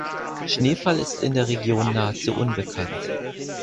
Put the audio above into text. Schneefall ist in der Region nahezu unbekannt.